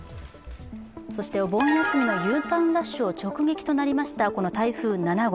そしてお盆休みのＵターンラッシュを直撃となりました、この台風７号。